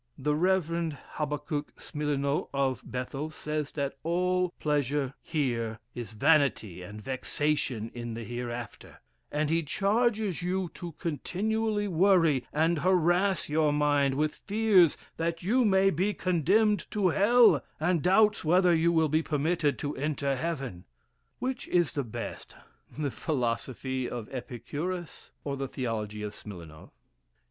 The Rev. Habbakuk Smilenot, of little Bethel, says that all pleasure here, is vanity and vexation in the hereafter; and he charges you to continually worry and harass your mind with fears that you may be condemned to hell, and doubts whether you will be permitted to enter heaven. Which is the best, the philosophy of Epicurus, or the theology of Smilenof?